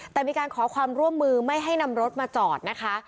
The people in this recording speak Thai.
แต่มีการขอความร่วมมือไม่ให้นำรถมาจอดนะคะ